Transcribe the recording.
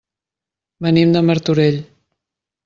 Venim de Martorell.